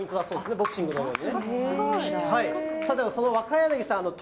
ボクシングのようにね。